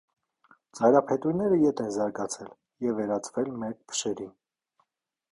Ծայրափետուրները ետ են զարգացել և վերածվել մերկ փշերի։